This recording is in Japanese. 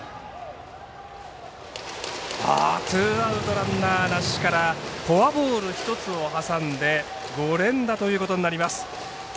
ツーアウト、ランナーなしからフォアボール１つを挟んで５連打ということになります。